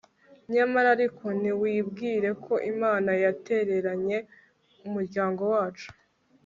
nyamara ariko, ntiwibwire ko imana yatereranye umuryango wacu